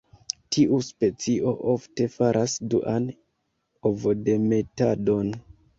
Tiu specio ofte faras duan ovodemetadon.